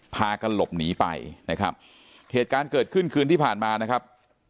พากันหลบหนีไปนะครับเหตุการณ์เกิดขึ้นคืนที่ผ่านมานะครับ